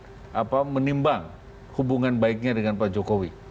dan bisa jadi mungkin akan menimbang hubungan baiknya dengan pak jokowi